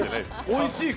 おいしい！